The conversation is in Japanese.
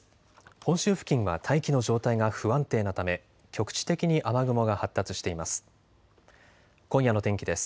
本州付近は大気の状態が不安定なため局地的に雨雲が発達しています。